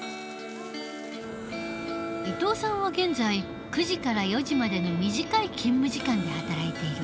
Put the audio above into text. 伊藤さんは現在９時から４時までの短い勤務時間で働いている。